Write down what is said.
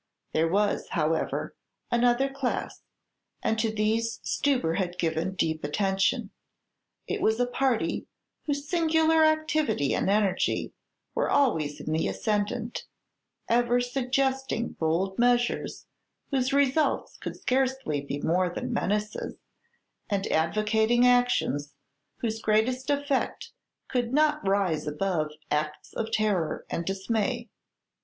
There was, however, another class, and to these Stubber had given deep attention. It was a party whose singular activity and energy were always in the ascendant, ever suggesting bold measures whose results could scarcely be more than menaces, and advocating actions whose greatest effect could not rise above acts of terror and dismay.